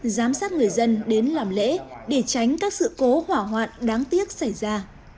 giám sát người dân đến làm lễ để tránh các sự cố hỏa hoạn đáng tiếc xảy ra